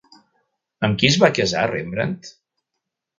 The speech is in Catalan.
Amb qui es va casar Rembrandt?